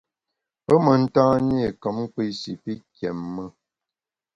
Pe mentan-i kom kpi shi pi kiém-e.